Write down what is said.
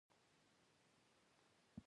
په لومړي ځل په برېټانیا کې رامنځته شول.